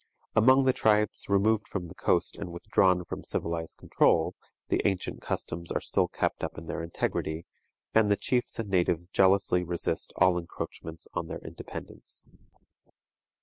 Among the tribes removed from the coast and withdrawn from civilized control, the ancient customs are still kept up in their integrity, and the chiefs and natives jealously resist all encroachments on their independence.